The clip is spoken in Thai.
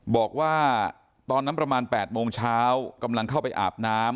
บอกว่าตอนนั้นประมาณ๘โมงเช้ากำลังเข้าไปอาบน้ำ